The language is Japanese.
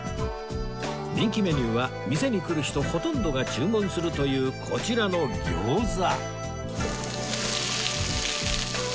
人気メニューは店に来る人ほとんどが注文するというこちらの餃子